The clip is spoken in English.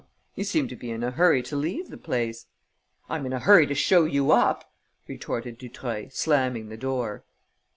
"You seem to be in a hurry to leave the place." "I'm in a hurry to show you up," retorted Dutreuil, slamming the door.